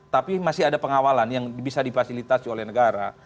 tapi masih ada pengawalan yang bisa difasilitasi oleh negara